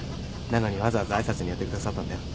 なのにわざわざ挨拶に寄ってくださったんだよ。